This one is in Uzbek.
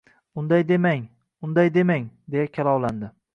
— Unday demang, unday demang... — deya kalovlandi.